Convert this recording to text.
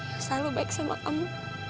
selalu baik sama kamu